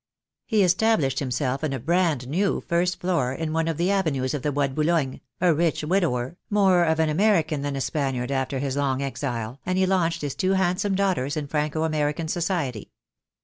He established himself in a brand new first floor in one of the avenues of the Bois de Boulogne, a rich widower, more of an American than a Spaniard after his long exile, and he launched his two handsome daughters in Franco American society.